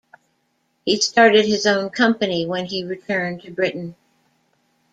He started his own company when he returned to Britain.